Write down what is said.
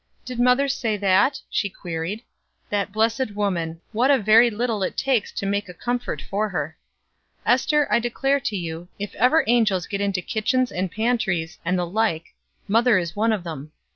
"Did mother say that?" she queried. "The blessed woman, what a very little it takes to make a comfort for her. Ester, I declare to you, if ever angels get into kitchens and pantries, and the like, mother is one of them.